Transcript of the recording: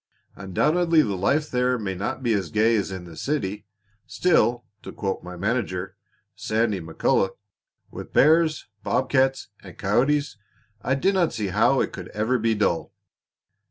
Undoubtedly the life there may not be as gay as in the city; still to quote my manager, Sandy McCulloch, 'with bears, bob cats, and coyotes, I dinna see how it could ever be dull.'"